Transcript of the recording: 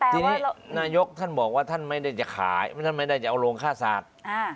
ทีนี้นายกท่านบอกว่าท่านไม่ได้จะขายท่านไม่ได้จะเอาโรงฆ่าสัตว์